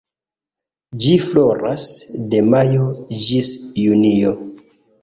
Ĝi floras de majo ĝis junio.